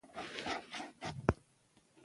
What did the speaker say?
کابل د افغانستان د ټولو صادراتو یوه مهمه برخه ده.